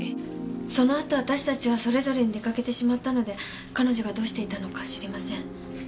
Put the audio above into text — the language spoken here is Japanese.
そのあと私たちはそれぞれに出かけてしまったので彼女がどうしていたのか知りません。